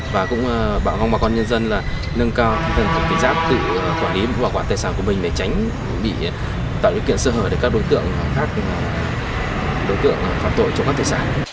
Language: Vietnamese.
và cũng bảo ngông bà con nhân dân là nâng cao tinh thần cấy rác tự quản lý và bảo quản tài sản của mình để tránh bị tạo lý kiện sơ hở để các đối tượng phạt tội cho các tài sản